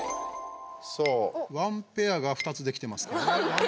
ワンペアが２つできてますね。